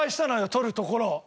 取るところを。